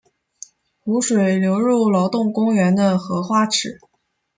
湖水流入劳动公园的荷花池。